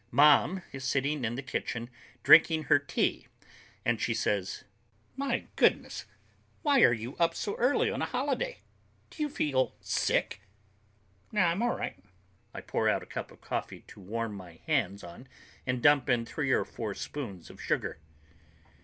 Mom is sitting in the kitchen drinking her tea and she says, "My goodness, why are you up so early on a holiday? Do you feel sick?" "Nah, I'm all right." I pour out a cup of coffee to warm my hands on and dump in three or four spoons of sugar.